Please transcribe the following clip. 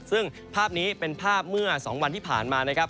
ซึ่งภาพนี้เป็นภาพเมื่อ๒วันที่ผ่านมานะครับ